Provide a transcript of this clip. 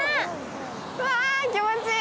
うわー、気持ちいい。